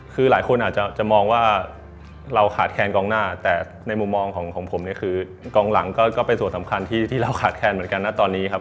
คือหลายคนอาจจะมองว่าเราขาดแคนกองหน้าแต่ในมุมมองของผมเนี่ยคือกองหลังก็เป็นส่วนสำคัญที่เราขาดแคลนเหมือนกันนะตอนนี้ครับ